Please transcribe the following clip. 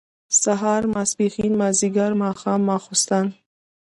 سهار ، ماسپښين، مازيګر، ماښام ، ماسخوتن